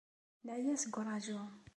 Neεya seg uraju.